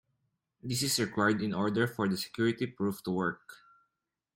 This is required in order for the security proof to work.